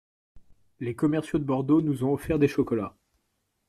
Les commerciaux de Bordeaux nous ont offert des chocolats.